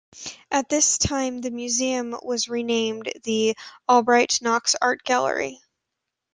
At this time the museum was renamed the Albright-Knox Art Gallery.